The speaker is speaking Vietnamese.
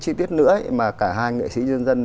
chi tiết nữa mà cả hai nghệ sĩ nhân dân